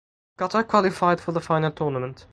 Qatar qualified for the final tournament.